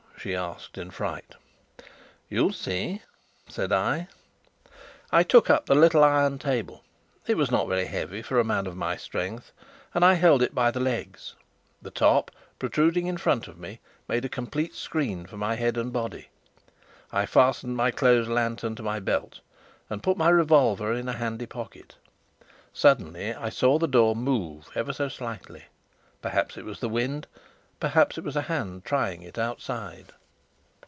she asked in fright. "You'll see," said I. I took up the little iron table. It was not very heavy for a man of my strength, and I held it by the legs. The top, protruding in front of me, made a complete screen for my head and body. I fastened my closed lantern to my belt and put my revolver in a handy pocket. Suddenly I saw the door move ever so slightly perhaps it was the wind, perhaps it was a hand trying it outside.